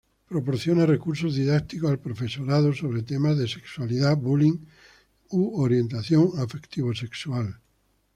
Proporciona recursos didácticos al profesorado sobre temas de sexualidad, "bullying" u orientación afectivo-sexual.